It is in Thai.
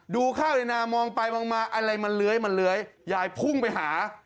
ข้าวในนามองไปมองมาอะไรมันเลื้อยมันเลื้อยยายพุ่งไปหา